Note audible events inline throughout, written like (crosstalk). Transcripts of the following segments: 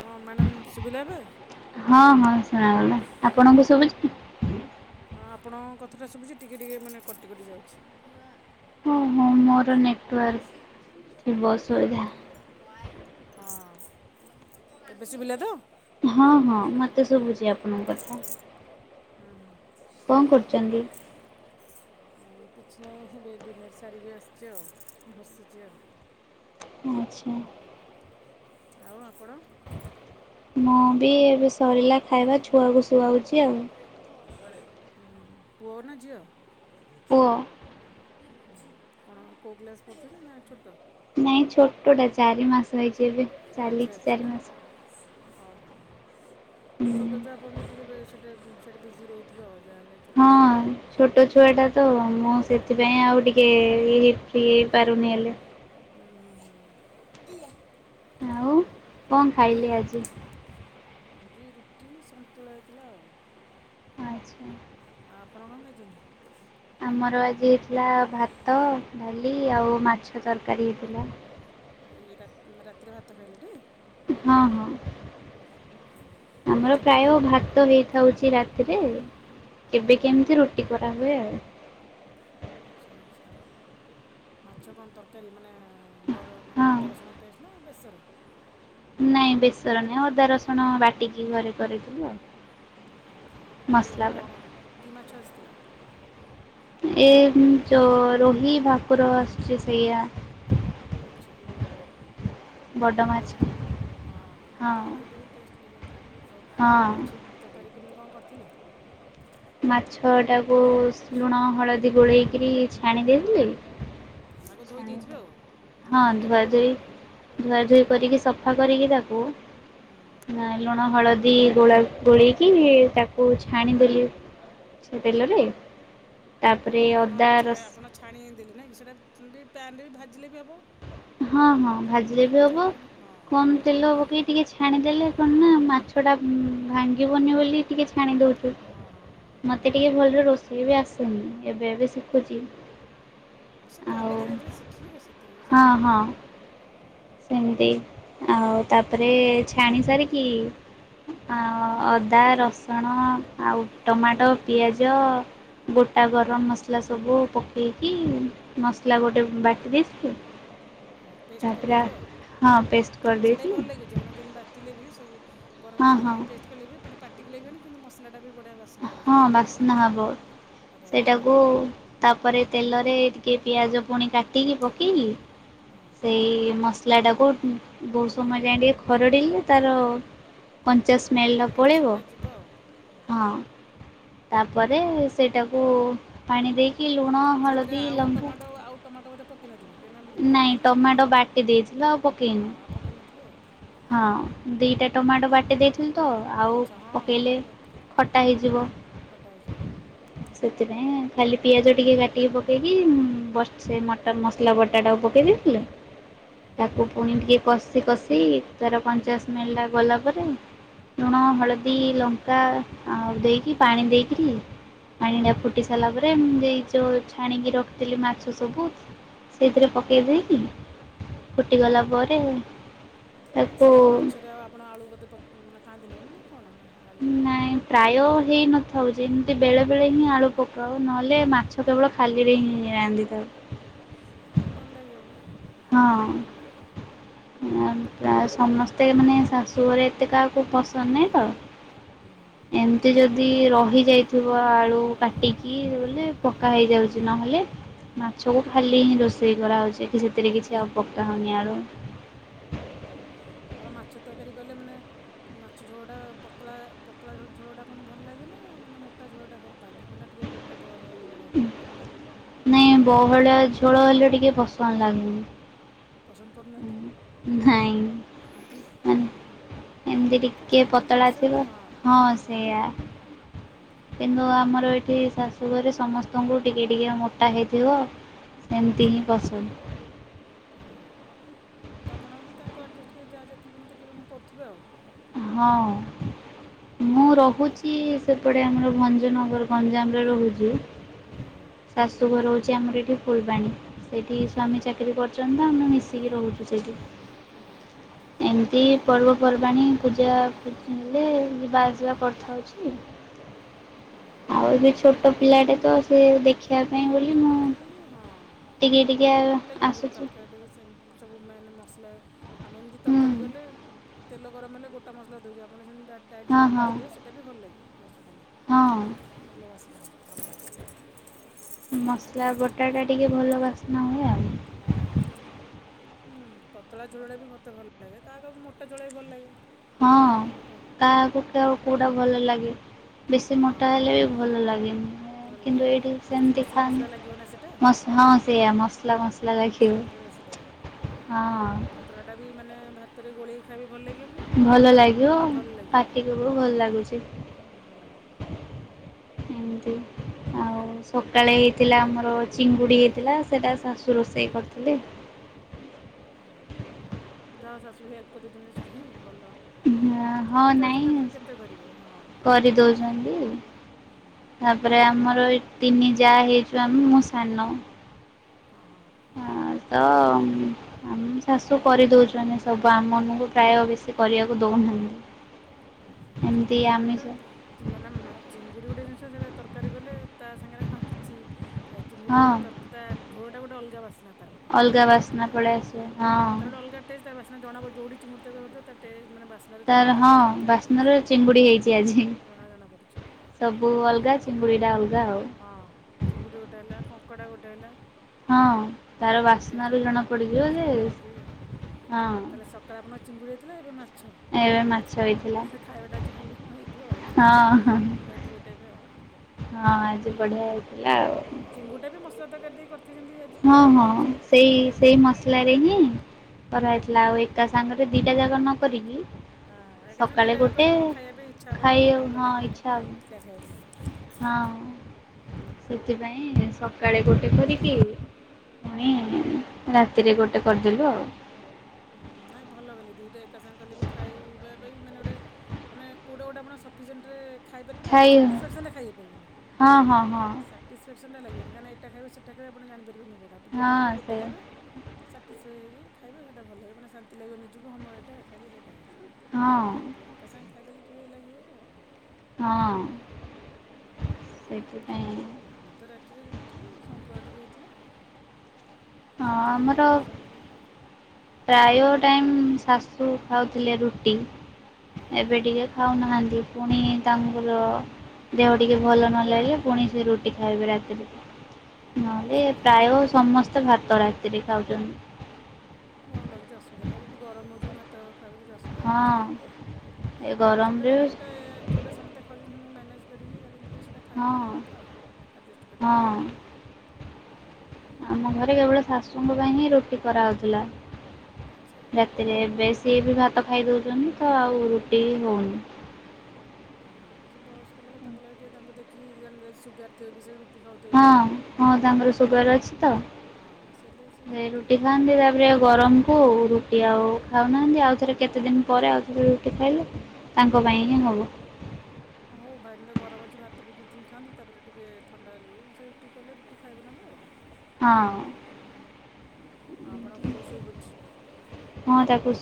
ହଁ ମ୍ୟାଡ଼ମ୍ ଶିଭୁ ଲାଇଏବେ। ହଁ ହଁ ଶୁଣାଗଲା ଆପଣଙ୍କୁ ସୁବୁଚି। ହଁ ଆପଣଙ୍କ କଥାଟା ଶୁଭୁଛି ଟିକେ ଟିକେ ମାନେ କଟିିକଟି ଯାଉଛି। ହଁ। ହଁ ହଁ ମୋର ନେଟୱାର୍କ ଥିବ ଅସୁବିଧା। ଏବେ ଶୁଭିଲା ତ? ହଁ ହଁ ମତେ ଶୁଭୁଛି ଆପଣଙ୍କ କଥା। ହୁଁ ହୁଁ। କଣ କରୁଛନ୍ତି? କିଛି ନାହିଁ ଏବେ ଡିନର୍ ସାରିକି ଆସିଛି ଆଉ ବସିଛି ଆଉ। ଆଚ୍ଛା। ଆଉ ଆପଣ? ମୁଁ ବି ଏବେ ସରିଲା ଖାଇବା ଛୁଆକୁ ଶୁଆଉଛି ଆଉ ପୁଅ ନା ଝିଅ? ପୁଅ। କଣ କୋଉ କ୍ଲାସ ପଢୁଛନ୍ତି ନା ଛୋଟ? ନାଇଁ ଛୋଟଟା ଚାରି ମାସ ହେଇଛି ଏବେ ଚାଲିଛି ଚାରି ମାସ ଓ ହୋ ହୁଁ। ଆଉ ଛୋଟଛୁଆ ଆପଣ ଟିକେ ସେଟ ସେଟ ବିଜି ରହୁଥିବ ଯାହା ହେଲେ ଛୋଟ ଛୁ ହଁ ଛୋଟ ଛୁଆ ଟା ତ ମୁଁ ହଁ ସେଥିପାଇଁ ଆଉ ଟିକେଇ ଫ୍ରି ହେଇ ପାରୁନି ହେଲେ ହୁଁ ହୁଁ ହୁଁ। ଆଉ କଣ ଆଉ ଖାଇଲି ଆଜି? ଆଜି ରୁଟି ସନ୍ତୁଳା ହେଇଥିଲା ଆଉ ଆଚ୍ଛା ଆ ଆପଣ କଣ ଖାଇଛନ୍ତି? ଆମର ଆଜି ହେଇଥିଲା ଭାତ ଡାଲି ଆଉ ମାଛ ତରକାରୀ ହେଇଥିଲା। ଏଇ ରା ରାତିରେ ଭାତ ଖାଇଲେ ଟି ହଁ ହଁ ହୁଁ ମାଛ ଆମର ପ୍ରାୟ ତରକାରୀ ନା ଭାତ ହେଇଥାଉଛି ରାତି ତିରେ ଓହୋ କେବେ କେମିତି ରୁଟି କରାହୁଏ ଆଉ ଆଚ୍ଛା ଆଚ୍ଛା ମାଛ କଣ ତରକାରୀ ମାନେ ଗର ମାନେ ଅଦା ହଁ ରସୁଣ ପେଷ୍ଟ୍ ନା ବେସର? ନାଇଁ ବେସର ନାଇଁ ଅଦା ରସୁଣ ବାଟିକି ଘରେ କରିଥିଲୁ ଆଉ ଓ ମସଲା ବାଟି କଣ କି ମାଛ ଆସିଥିଲା? ଏ ଜୋ ରୋହି ଭାକୁର ଆସୁଛି ସେଇଆ ଆଚ୍ଛା। ତ ବଡ଼ ଭଲ ମାଛ ଲାଗୁଥିବ ହଁ ବଡ଼ ମାଛ ଟିକେ ଟେଷ୍ଟ ଲାଗିବ ତ ଆଉ ହଁ ମାଛ ତରକାରୀ କେମିତି କଣ କରିଥିଲ? ମାଛ ଟାକୁ ଲୁଣ ହଳଦୀ ଗୋଳେଇକରି ଛାଣି ଦେଇିଥିଲି। ଆଗ ଧୋଇ ଦେଇେଥିବେ ଆଉ? ହଁ ଧୋଇକି ଧୁଆ ତାପରେ ଧୁଇ ଧୁଆ କରିକି ଧୁଇ କରିକି ସଫା କରିକି ତାକୁ ହୁଁ ନାଁ ଲୁଣ ହଳଦୀ ଦି ଗୋଳା ଗୋଳେଇକି ତାକୁ ଛାଣି ଦେଲି ସେଇ ତେଲ ରେ। ଓ ଆପଣ ଛା ଆପଣ ଛାଣି ଦେଲେ ନାଁ କି ସେଟା ପ୍ୟାନରେ ବି ଭାଜିଲେ ବି ହବ। ହଁ ହଁ ଭାଜିଲେ ବି ହବ ହଁ କମ ତେଲ ପକେଇ ଟିକେ ହୁଁ ଛାଣିଦେଲେ ହଁ କଣ ନା ମାଛ ଟା ହୁଁ ଭାଙ୍ଗିବନି ବୋଲି ଟିକେ ଛାଣି ଦଉଛୁ ହଁ ହଁ ମତେ ଟିକେ ଭଲରେ ରୋଷେଇ ସିଏ ବି ଆସୁନି ଏବେ ଏବେ ଶିଖୁଛି। ହଁ ସେ ଆଉ କଲେ ଧୀରେ ଧୀରେ ଶିଖିବି ଆଉ ସେଥି ହଁ ହଁ। ସେମିତି ଆଉ ତାପରେ ଛାଣି ସାରିକି। ଆଉ ହୁଁ ଅଦା ରସୁଣ ଆଉ ଟମାଟୋ ପିଆଜ ଗୋଟା ଗରମ ମସଲା ସବୁ ପକେଇକି ମସଲା ଗୋଟେ ବାଟି ଦେଇଥିବି। ଓହୋ ପେଷ୍ଟ କରିଦେଇଥିବେ ଆଉ ହଁ ପେଷ୍ଟ ସେଇଟା ବି ଭଲ କରିଦେଇଥିଲି ଲାଗୁଛି ଆପଣ ଯେ ବାଟିଲେ ବି ସବୁ ଗରମ ହଁ ମସଲା ହଁ ଦେଇକି ପେଷ୍ଟ କଲେବି ମାନେ ପାଟିକି ଲାଗିବନି କିନ୍ତୁ ମସଲା ଟା ବି ବଢ଼ିଆ ବାସ୍ନା ହେବ ହଁ ସେଇଟା ଯେଉଁଟା ବାସ୍ନା ବାଟିଲେ ବି ହବ ବଢ଼ିଆ ସେଟାକୁ ଲାଗିଥିବ ତାପରେ ତେଲ ରେ ଟିକେ ପିଆଜ ପୁଣି କାଟିକି ପକେଇି ହୁଁ ସେଇ ମଲାଟାକୁ ବହୁତ ସମୟ ଯାଏ ଟିକେ ଖରଡ଼ିଲେ ତାର କନ୍ ଞ୍ଚା ସ୍ମେଲ୍ ଟା ପଚାଶ ପଳେଇବ ମିନିଟ୍ ଯିବ ଆଉ ହୁଁ ହଁ। ତାପରେ ସେଇଟାକୁ ପାଣି ଦେଇକ କିିଲୁଣ ହଳଦୀ ଲଙ୍କା ପକେଇ ନଥିବି କେମେ ନାଇଁ ବାଟିଛନ୍ତି ଆଉ କାଇହିଁ ଟମାଟୋ ବାଟି ଦେଇଥିଲ ଆଉ ପକେଇନି। ହଁ ଆଉ ପକେଇ ନଥିବେ ଆଉ। ହଁ ଦିଟା ଟମାଟୋ ବାଟି ଦେଇଚି ତ ଆଉ ଆଚ୍ଛା ହଁ ହଁ ପକେଇଲେ ଆଉ ଦରକାର ହଁ ଖଟା ହେଇଯିବ। କଟା ହେଇଯିବ ସେଥି ପାଇଁ ଖାଲି ପିଆଜ ଟିକେ କାଟିକି ପକେଇକି ବ ସେ ମଟର ମସଲା ବଟାଟାକୁ ପକେଇ ଦେଇଥିଲି। ହୁଁ ହୁଁ ତାକୁ ପୁଣି ଟିକେ କଷି କଷି ତର କଞ୍ଚା ସ୍ମେଲ ଗଲା ପରେ ଲୁଣ ହଳଦୀ ଲଙ୍କା ଆଉ ଦେଇକି ପାଣି ଦେଇକରି ପାଣି ଟା ଫୁଟି ସାରିଲା ପରେ ଏ ଯୋଉ ଛାଣିକି ରଖିଥିଲି ମାଛ ସବୁ ସେଇଥିରେ ପକେଇ ଦେଇକି ଫୁଟି ଗଲା ପରେ ତାକୁ ସେଥିଟରେ ମାଛରେ ଆଉ ଆପଣ ଆଳୁ ବୋଧେ ମାନେ ଖାଆନ୍ତିନି ନା କ'ଣ ନା ଆଳୁ ନାଇଁ ପ୍ରାୟ ହେଇ ନଥାଉଛି, ଏମିତି ବେଳେ ବେଳେ ହଁ ହିଁ ଆଳୁ ପକାଉ ନହେଲେ ଲେ ମାଛ କେବଳ ଖାଲିରେ ହିଁ ନାହାନ୍ତି ଥାଉ। ହଁ ହଁ ଭଲ ଲାଗିବ ବି। ହଁ। ୟ ସମସ୍ତେ ମାନେ ଶାଶୁଘରେ ଏତେ କାହାକୁ ପସନ୍ଦ ନାହିଁ ତ ହୁଁ ଏମିତି ଯଦି ରହି ଯାଇଥିବ ଆଳୁ କାଟି କି ହୁଁ ହୁଁ ବୋଲେ ହୁଁ ହୁଁ ପକା ହେଇଯାଉଛି, ନହେଲେ ମାଛକୁ ଖାଲି ହିଁ ରୋଷେଇ କରାହେଉଛି କିଛି ସେଥିରେ କିଛି ପକା ହଉନି ଆଳୁ ହଁ ହଁ ଆପଣ ମାଛ ତରକାରୀ କଲେ ମାନେ ମାଛ ଝୋଳ ଟା ପତଳା ପତଳା ଝୋଳ ଟା ପଣ ଭଲ ଲାଗେ ନା ମାନେ ମୋଟା ଝୋଳ ଟା ଭଲ ପାଆନ୍ତି ମାନେ ଟି ଟିକେ ମୋଟା ବ ଭଳିଆ ଝଳିିବ କେମିତି? ଭଲ ନାଇଁ ପାଆନ୍ତି ବହଳି ଝୋଳ ହେଲେ ଟିକେ ପସନ୍ଦ ଲାଗନି। ପସନ୍ଦ କରୁନାହାନ୍ତି? ଏମତି ନା ଟିକେ କାହାକୁ କେମିତି ପତଳା ପସନ୍ଦ ଥିବ ହଁ ଟିକେ ପତଳା ସେଇଆ ହଁ କିନ୍ତୁ ଆମର ଏ ଏ ଶାଶୁଘରେ ସମସ୍ତଙ୍କୁ ଟିକେ ଟିକି ମୋଟା ହେଇଥିବ ସେମିତି ହିଁ ପସନ୍ଦ। ଓହୋ ତ ଆପଣ ବି ତାଙ୍କୁ ଆଡ଼ଜଷ୍ଟ କରିବେ ଯାହା ଯେତେବେଳେ ବି କେତେବେଳେ କରୁଥିବେ ଆଉ। ହଁ ମୁଁ ରହୁଛି ସେ ଏପଟେ ଆମର ଭଞ୍ଜନଗର ଗଞ୍ଜାମରେ ରହୁଛି ଓହୋ ଶାଶୁଘର ଯେ ଆମର ଏଠି ଫୁଲବାଣୀ ସେଇଠି ସ୍ୱାମୀ ଚାକିରି କରୁଛନ୍ତି ତ ଆମେ ମିଶିକି ରହୁଛୁ ସେଇଠି ଓହୋ। ଏମିତି ପର୍ବପର୍ବାଣି ପୂଜା ପିଜି ହେଲେ ଯିବା ଆସିବା କରିଥାଉଛି। ହଁ ହଁ ଆଉ ଏ ବି ଛୋଟ ପିଲାଟେ ତ ସେ ଦେଖ ହଁ ତାଙ୍କୁ ଦେଖିକି ହଁ ଟିକେ ଟିକେ ନାଇଁ ଭଲ ଲାଗିବ ଯେମିତି ଆସୁଛି ତରକାରୀଟେ ବି ସେମିତି ସବୁ ମାନେ ମସଲା ଆମେ ଏମିତି ହୁଁ ତରକାରୀ କଲେ ତେଲ ଗରମ ହେଲେ ଗୋଟା ମସଲା ଦେଉଛେ ଆପଣ ସେମିତି ଡାଟ୍ ଯେଉଁ ହଁ ବାଟି ହଁ ଦେ ସେଟା ବି ଭଲ ଲାଗିବ। ହଁ। ଅହୋ। ମସଲା ବଟା ଟା ଟିକେ ଭଲ ବାସ୍ନା ହୁଏ ଆଉ। ଉୁଁ ପତଳା ଝୋଳଡା ବି ମତେ ଭଲ ଲାଗେ କାହା କାହାକୁ ମୋଟା ଝୋଳ ବି ଭଲ ଲାଗେ? ହଁ ସମସ୍ତଙ୍କର କାହାକୁ ହଁ କଉ କୋଉଟା ଭଲ ଲାଗେ ବେଶୀ ମୋଟା ହେଲେ ବି ଭଲ ଲାଗେନି ଭଲ କିନ୍ତୁ ଲାଗେନି ଏଇଠି ବେଶୀ ସେମତି ମସଲା ଖା ମସଲା ଲାଗିବ ନା ସେଇଟା। ମସ ହ ସେଆ ମସଲା ହୁଁ ମସଲା ଲାଗିବ। ମସଲା ଲାଗିବ ହଁ ପତଳା ଟା ବି ମାନେ ଭାତରେ ଗୋଳେଇ ଭଲ ଲାଗିବ ଲାଗିବ ବି ହଁ ପାଟିକୁବ ଭଲ ଲାଗୁଛି। ହଁ ଏମତି ଆଉ ସକାଳେ ହେଇଥିଲା ଆମର ଚିଙ୍ଗୁଡି ହେଇଥିଲା ସେଟା ଶାଶୁ ରୋଷେଇ କରିୁଥିଲେ (inaudible) ଓହୋ। ଶାଶୁ ହେଲ୍ପ ଦଉଛନ୍ତିଛୁଟ ଭଲ। ଛୋଟ ହଁ ଛୁଆ ଅଛନ୍ତି ନାଇଁ ଆପଣ କେତେ କରିବେ ହଁ କରିଦଉଛନ୍ତି ତାପରେ ଆମର ଆମର ତିନି ଯାହା ହେଇଛୁ ଆମେ ମୋ ସାନ ଓ ହଁ। ହଁ। ତ ଆମ ଶାଶୁ କରିଦଉଛନ୍ତି ସବୁ ଆମକୁ ପ୍ରାୟ ବେଶୀ କରିବାକୁ ଦଉଛ ହୁହ ଆଛା ଚିଙ୍ଗୁଡି ଦରକାରଟା ମାନେ ଚିଙ୍ଗୁଡି ଗୋଟେ ଜ ସେଟା ତରକାରୀ କଲେ, ତା ସାଙ୍ଗରେ ଆଉ କିଛି ଚିଙ୍ଗୁଡ଼ିରେ ହଁ ଗୋଟେର ତା ଝୋଳଟା ଗୋଟେ ଅଲଗା ବା ଅଲଗା ବାସ୍ନା ପଳେଇ ଆସିବ ହଁ। ଡୋଲଗା ଟେ (unintelligible) ଜଣାରୁ ଯୋଉଠି ଚିଙ୍ଗୁଡ଼ି ତରକାରୀ ହେଉଥିବ, ତା ଟେ ମାନ ବାସ୍ନାରେ ଜଣାପ ତାର ଯିବ ଯେ ହଁ ଚିଙ୍ଗୁଡ଼ି ତରକାରୀ ହେଉଛି ବାସ୍ନରେ ଚିଙ୍ଗୁଡି ହେଇଛି ଆଜି, ଜଣା ଜଣାପଡ଼ିଯିବ ସବୁ ଅଲଗା ଚିଙ୍ଗୁଡି ଟା ଅଲଗା ଆଉ ହଁ ଚିଙ୍ଗୁଡି ଗୋଟେ ହେଲା, କଙ୍କଡା ଗୋଟେ ହେଲା ହଁ, ତାର ତାଙ୍କର ସବୁ ଟେଷ୍ଟ ବାସ୍ନାାରୁ ଅଲଗା ଜଣା ପଡିଯିବ ବାସ୍ନା ଯେ ଜଣାପଡ଼ିଯିବ ଯେ ହଁ ତାହେଲେ, ସକାଳେ ଆପଣ ଚିଙ୍ଗୁଡି ଦେଇଥିଲେ ଏବେ ଛଲେ ଏବେ ମାଛ ହେଇଥିଲା (unintelligible) ଖାଇବାଟା ଆଜି ଭଲ ହେଇଥିବ ହଁ ହଁ ଆଉ, ଦି ଗଟେବେ ଆଉ (unintelligible) ହଁ ଆଜି ବଢିଆ ହେଇଥିଲା, ଚିଙ୍ଗୁଟା ବି ଆଉ ମସଲା ତରକାରୀ ଦେଇ କରିଥିବି ଯେମିତି ଆଜି ହଁ, ହଁ, ହେଇଛି ସେଇ ମସଲା ସେଇ ତରକାରୀ। ମସଲା ରେ ହିଁ ହଁ କରାହେଇଥିଲା ଆଉ ଏକା ସାଙ୍ଗରେ ଦିଟା ଜାଗା ନ କରିକି ହଁ ଏକାଛନ୍ତି ସକାଳେ ଦିଇଟା ଯ ଗୋଟେ କଲେ ବି ଖାଇବା ପାଇଁ ଇଚ୍ଛା ଖାଇ ହବନି, ଆଉ ଭଲ ହଁ ଲାଗିବାନି ଇଚ୍ଛା ହବ ଇଟା ଖାଇବାକୁ ବି ହଁ, ହୁଁ ସେଥିପାଇଁ ସକାଳେ ଗୋଟେ କରିକି ପୁଣି ହୁଁ ରାତିରେ ଗୋଟେ କରିଦେଲୁ, ଆଉ ହୁଁ, ନାଇଁ ଭଲ ଗଲେ ଦିଟା ଏକା ସାଙ୍ଗେ କଲେ ବି ଖାଇବା ମାନେ ଗୋଟେ ମାନେ କଉଁଟା ଗୋଟେ ଆପଣ ସଫିସିଏଣ୍ଟରେ ଖାଇପାରିବେନି, ଖାଇ ସାଟିସ୍ଫାକ୍ସନ୍ଟା ଖାଇପାରିବନି, ହଁ ହଁ ହଁ ସାଟିସ୍ଫକ୍ସନନ୍ଟ ଲାଗିବନ କହିଁକି ଏଇଟ ଖାଇବ ସେ ସୋଇବେ ଆଣାଣିପାରିବେନି କେଁଟା ଯେଉଁଟା ହଁ ଖାଇବେ ଗଟ ସେ ଖାଇ ତ ଷଠିଶହଇକି ଖାଇବେ (unintelligible) ଟ ଭଲ ଲାଗେ ମାନ ଶାନ୍ତି ଲାଗିବ ନିଜକୁ ହଁ ଏଇଟା ଖାଇଲି ସେଟା ଖାଇ ହଁ ଖାଇଦେଲେ ଟିକେ ଲାଗିବ ର ଆଉ ହଁ ଓହୋ, ସେଥିପାଇଁ ଆମ ତ ରାତିରେ ରୁଟି ସନ୍ତୁଳା ଟିକେ ହେଇଥିଲା। ହଁ ସାଧାରେ ଆମର ଶ (unintelligible) ପ୍ରାୟ ଟାଇମ୍ ଶାଶୁ ଖାଉଥିଲେ ରୁଟି, ହଁ ହଁ ଏବେ ଟିକେ ଖାଉନାହାନ୍ତି। ପୁଣି ତାୁଲ (unintelligible) ଦେହ ଟିକେ ଭଲ ନ ଲାଗିଲେ, ପୁଣି ସେ ରୁଟି ଖାଇବେ ରାତିରେ ନହେଲେ, ଆଚ୍ଛା ଆଚ୍ଛା ପ୍ରାୟ ସମସ୍ତେ ଭାତ ରାତିରେ ଖାଉଛନ୍ତି ଭଲ ଲାଗୁଛି ଅସୁବିଧା ନାହିଁ, ଏବେ ବି ଗରମ ହଉଚି ଭାତ ଛି ଅସୁବିା କିଛି ନାଁ ହଁ ଏ ଗୋଟେଟ ଗରମରେ ଯୋଉଟୋଟା ସମସ୍ତେ ଖାଉଛନ୍ତି ମ କରିକି (unintelligible) ଟିକେ ସେଇଟା ଖାଇବା ହଁ କରିବା କଥା ଆଉ ଆଡ଼ଜଷ୍ଟ କରିକି, ଆଉ ହଁ ହଁ ଆମ ଘରେ କେବଳ ଶାଶୁଙ୍କ ପାଇଁ ହିଁ ରୁଟି କରାହଉଥିଲା, ଆଚ୍ଛା ରାତିରେ ଏବେ ସିଏ ବି ଭ ଭତ ଖାଇଦଉଛନ୍ତି ତ ଆଉ ରୁଟି ହଉନି। ଓହଁ ସେ ବୟସ୍କ ଲୋକ ତାଙ୍କ ଲାଗି ଟିକେ ତାଙ୍କୁ ଦେଖିକି ସୁଗାର ଥିବ ବି ସେ ର ହଁ, ହଁ, ତାଙ୍କର ସୁଗାର ଅଛି ତ। ହଁ ସେଥିଲାଗି ସେ ଖାଉଥିବେ ରୁଟି ଆଉ ଖାଆନ୍ତି, ତାପରେ ଗରମ କୁଉ ରୁଟି ଆଉ ଖାଉନାହାନ୍ତି ଆଉ ଥରେ କେତେ ଦିନ ପରେ ଆଉଥରେ ରୁଟି ଖାଇଲେ, ତାଙ୍କ ହଁ ପାଇଁ ହିଁ ହଁ। ହବ ବ ମଞଜି ଭାତ ବିିକ ଖାଆନ୍ତୁ ତାପରେ ଟିକେ ଥଣ୍ଡା ହେ ସେବୁ ଟିକେ କଲେ ରୁଟି ଖାଇବେ ନେଲେ ଆଉ (unintelligible) ହଁ ହଁ ଆଉ ଆପଣଙ୍କ ପୁଅ ଶୋଇ ପଡିଛି।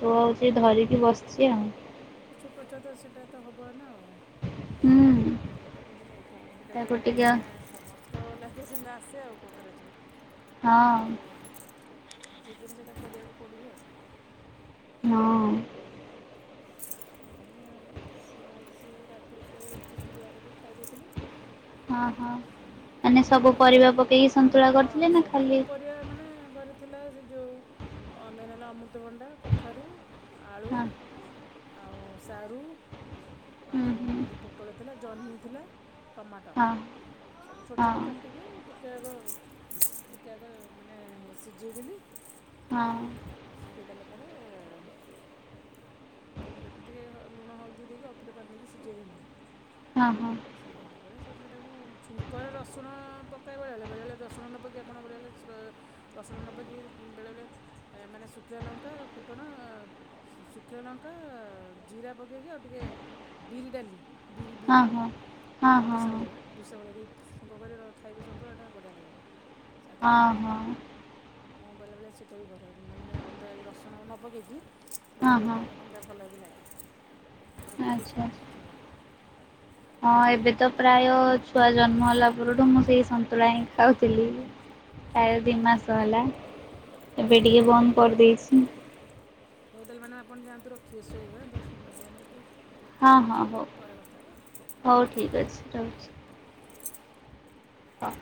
ସେ ଆଉ ଧରିକି ବସିଛି ଆଉ ଛୋଟ ଛୁଆତ, ସେଟା ତ ହବ ଏଇନା ଆଉ ହୁଁ ଆଉ ପ ପ ଆଉ କଣ ସେଇଟା ଗୋଟେ ତାକୁ ଟିକେ ହଁ ମାନେ ସମସ୍ତଙ୍କ ଲାଇଫ୍ ରେ ସେମିତି ଆସେ ଆଉ କଂଗ୍ରେଜ ସେତେ ଗୋଟେ (unintelligible) ଠିକନି ସେଇଟା କରିବାକୁ ପଡ଼ିବ ଆଉ (unintelligible) ହଁ ଆଜି ସେ ରାତିରେ ସେ ରୁଟି ସନ୍ତୁଳା କରି କି ଖାଇଦେଇଥିଲୁ। ହଁ ହଁ ସନ୍ତୁଳା ସବୁ ମାନେ ପରିବା ପକେଇକି ସନ୍ତୁଳା ହଁ କରିଥିଲେ ନା ସବୁ ଖାଲି ପରିବା ମାନେ ଘରେ ଥିଲା ସେ ଯୋଉ ଅ ମାନେ (unintelligible) ଅମୃତଭଣ୍ଡା, କଖାରୁ, ଆଳୁ ହଁ ଆଉ ସାରୁ। ହୁଁ ଆଉ ହୁଁ ଟିକେ ପୋଟଳ ଥିଲା ଜହ୍ନି ଥିଲା। ଟମାଟୋ ହଁ ଛୋଟ ହଁ ଛୋଟ କାଟିକି ଟି ଟିକେ ଆଗ ଟିକେ ଆଗ ମାନେ ସିଝେଇଦେଲି। ହଁ। ତାପରେ ଏଁ ଲୁଣ ହଳଦୀ ଦେଇକି ଅଳ୍ପ ଟିକେ ପାଣି ଦେଇକି ସିଝେଇ ଦେଲି ହଁ ହଁ ସିଝିଲା ପରେ ତୁ ପରେ ସେଇଟାକୁ ଛୁଙ୍କରେ ରସୁଣ ପକାଇବା ବେଳେ ହେଲେ ବେଳେ ଆପଣ ହେଳେ ରସୁଣ ନ ପକାଇ ଆପଣ ବେଳେ ବେଳେ ରସୁଣ ନେବେକି ବେଳେବେଳେ ମାନେ ଶୁଖିଲା ଲଙ୍କା ଫୁଟଣ ଶୁ ଶୁଖିଲା ଲଙ୍କା ଜିରା ପକେଇକି ଆଉ ଟିକେ ବିରି ଡାଲି ବିରି ହଁ ବିରି ହଁ ହଁ ହଁ ହଁ ଆଉ ଭୁଷା ଭୁଷା ଛୁଙ୍କ କରି ଖାଇବେ ସନ୍ତୁଳା ଏଇଟା ବଢ଼ିଆ ଲାଗିବ ସାଦା ଦିନରେ ସେଇଟା ହଁ ମୁଁ ବେଳେବେଳେ ସେଇଟା ବି କରେ ମାନେ ଅଦା ଏ ରସୁଣ ନ ପକେଇକି ହଁ ହଁ। ସେଇଟା ଭଲ ବି ଲାଗେ। ଥରେ କରିକି ଆଚ୍ଛା ଖାଆନ୍ତୁ ଦେଖିବେ ଭଲ ଲାଗିବ ହଁ ଏ, ଏବେ ତ ପ୍ରାୟ। ଛୁଆ ଜନ୍ମ ହେଲା ପରଠୁ ମୁଁ ସେଇ ସନ୍ତୁଳା ହିଁ ଖାଉଥିଲି। ଆ ଦୁଇ ମାସ ହେଲା, ଏବେ ଟିକେ ହଉ ହଉ ବନ୍ଦ କରିଦେଇଛି ହଉ ତାହେଲେମାମ ଆପଣ ଯାଆନ୍ତୁ ରଖିବେ ଶୋଇବା ଦଶ ଉଁ ମାନେ ଏଗାର ଟା ହଁ ଛୋଟ ହଁ ଛୁଆ ହଉ ପରେ କଥା ହେବା ହଉ ଠିକ୍ ଅଛି ବାଏ। ହଁ